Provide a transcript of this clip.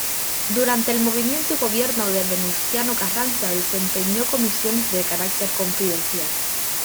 Durante el movimiento y gobierno de Venustiano Carranza desempeñó comisiones de carácter confidencial.